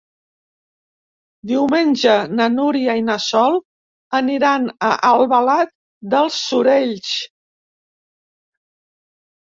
Diumenge na Núria i na Sol aniran a Albalat dels Sorells.